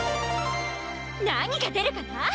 何が出るかな？